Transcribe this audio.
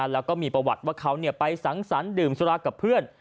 แล้วก็มีประวัติว่าเขาไปสังสรรค์ดื่มสุรากับเพื่อน